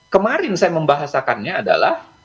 kemarin saya membahasakannya adalah